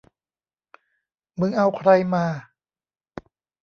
มึงเอาใครมา